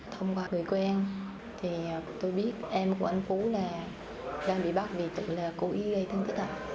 thông qua người quen tôi biết em của anh phú đang bị bắt vì tự cố ý gây thân tích ảo